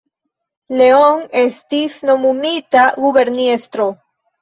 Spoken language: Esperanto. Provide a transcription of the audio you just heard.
Leon estis nomumita guberniestro.